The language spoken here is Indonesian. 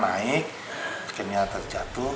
masakan naik sepertinya terjatuh